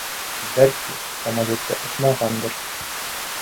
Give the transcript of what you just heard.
Бәлки, самолеты осмағандыр?